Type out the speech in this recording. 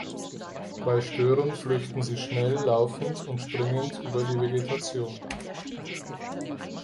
Bei Störung flüchtet sie schnell laufend und springend über die Vegetation.